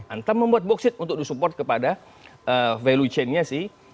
untuk membuat bauxite untuk disupport kepada value chain nya sih